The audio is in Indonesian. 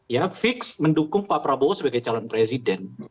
ya fix mendukung pak prabowo sebagai calon presiden